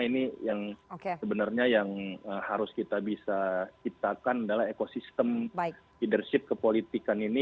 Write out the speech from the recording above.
ini yang sebenarnya yang harus kita bisa kitakan adalah ekosistem leadership ke politikan ini